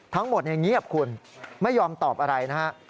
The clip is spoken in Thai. ทั้งหมดอย่างเงียบคุณไม่ยอมตอบอะไรนะครับ